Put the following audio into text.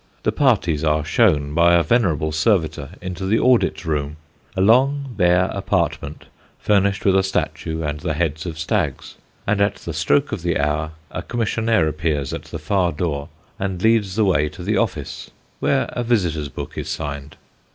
The parties are shown by a venerable servitor into the audit room, a long bare apartment furnished with a statue and the heads of stags; and at the stroke of the hour a commissionaire appears at the far door and leads the way to the office, where a visitors' book is signed.